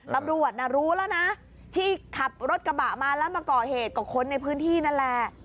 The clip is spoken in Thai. ตำรวจน่ะรู้แล้วนะที่ขับรถกระบะมาแล้วมาก่อเหตุกับคนในพื้นที่นั่นแหละ